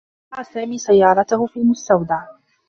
وضع سامي سيّارته في المستودع.